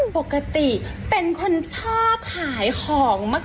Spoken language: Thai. ปกติชอบขายของมาก